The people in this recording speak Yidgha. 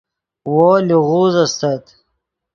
وو لیغوز استت